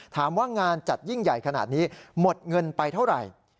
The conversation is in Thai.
ถามว่างานจัดยิ่งใหญ่ขนาดนี้หมดเงินไปเท่าไหร่